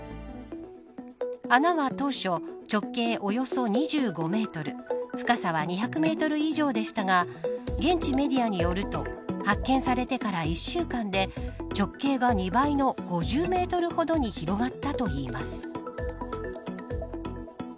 穴は当初直径およそ２５メートル深さは２００メートル以上でしたが現地メディアによると発見されてから１週間で、直径が２倍の５０メートルほどに広がったといいます。